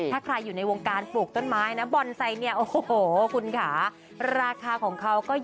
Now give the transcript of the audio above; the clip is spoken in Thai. ถ้าใครอยู่ในวงการปลูกต้นไม้นะบอนไซนี่โอ้โหคุณค่ะ